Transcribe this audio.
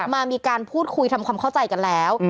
มีการพูดคุยทำความเข้าใจกันแล้ว